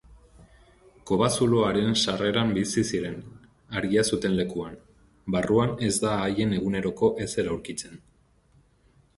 Kobazuloaren sarreran bizi ziren, argia zuten lekuan; barruan ez da haien eguneroko ezer aurkitzen.